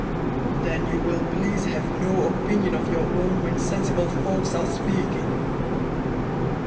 "Then you will please have no opinion of your own when sensible folks are speaking."